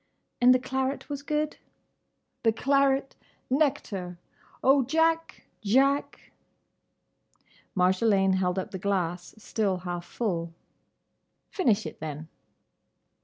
"And the claret was good?" "The claret—! Nectar!—Oh, Jack!—Jack!—" Marjolaine held up the glass, still half full. "Finish it, then."